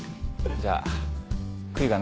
じゃあ。